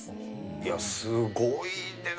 いや、すごいです。